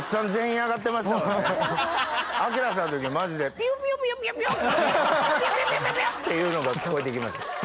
「ピヨピヨ！」っていうのが聞こえて来ました。